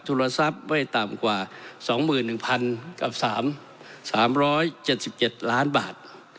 ทุลศัพท์ไม่ต่ำกว่า๒๑๓๗๗ล้านบาท